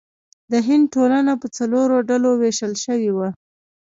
د هند ټولنه په څلورو ډلو ویشل شوې وه.